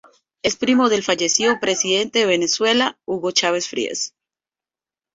Es primo del fallecido Presidente de Venezuela, Hugo Chávez Frías.